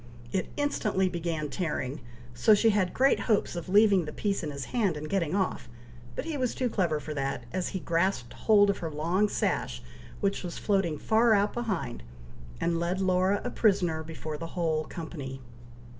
It instantly began tearing, so she had great hopes of leaving the piece in his hand and getting off; but he was too clever for that, as he grasped hold of her long sash, which was floating far out behind, and led Laura a prisoner before the whole company.